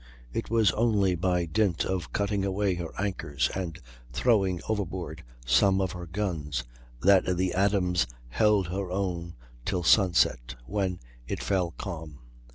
It was only by dint of cutting away her anchors and throwing overboard some of her guns that the Adams held her own till sunset, when it fell calm.